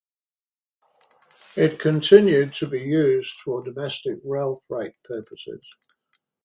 It continued to be used for domestic railfreight purposes.